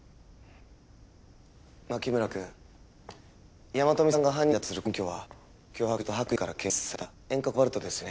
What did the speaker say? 槇村くん山富さんが犯人だとする根拠は脅迫状と白衣から検出された塩化コバルトですよね？